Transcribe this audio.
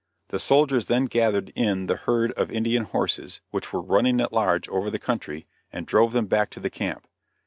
The soldiers then gathered in the herd of Indian horses, which were running at large over the country and drove them back to the camp.